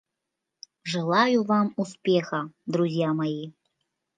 Желаю вам успеха, друзья мои.